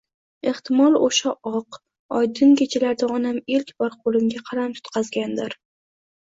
ehtimol o'sha oq, oydin kechalarda onam ilk bor qo'limga qalam tutqazgan-dir.